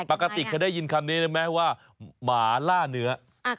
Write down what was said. ปกติเคยได้ยินคำนี้ได้ไหมว่าหมาล่าเนื้อ